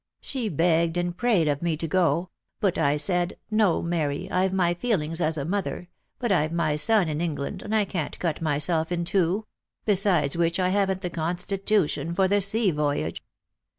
She begged and prayed of me to go ; but I said, " No, Mary, I've my feelings as a mother, but I've my son in England, and I can't cut myself in two ; besides which I haven't the constitu tion for the sea voyage."